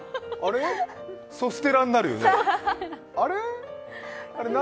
ソステラになるよね？